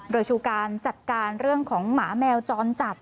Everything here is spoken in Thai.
โดยชูการจัดการเรื่องของหมาแมวจรจัด